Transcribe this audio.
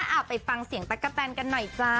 เอาไปฟังเสียงตั๊กกะแตนกันหน่อยจ้า